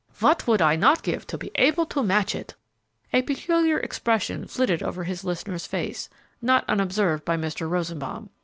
What would I not give to be able to match it!" A peculiar expression flitted over his listener's face, not unobserved by Mr. Rosenbaum.